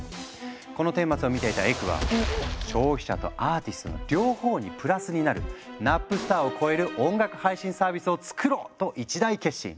この顛末を見ていたエクは「消費者とアーティストの両方にプラスになるナップスターを超える音楽配信サービスを作ろう！」と一大決心。